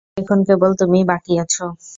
এখন কেবল তুমিই বাকি আছ।